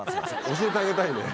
教えてあげたいね。